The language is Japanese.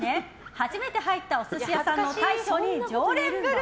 初めて入ったお寿司屋さんの大将に常連ぶる！